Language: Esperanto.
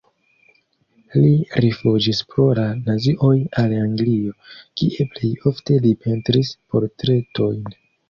Li rifuĝis pro la nazioj al Anglio, kie plej ofte li pentris portretojn.